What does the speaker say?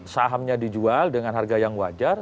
sahamnya dijual dengan harga yang wajar